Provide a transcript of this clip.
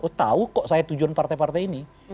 oh tahu kok saya tujuan partai partai ini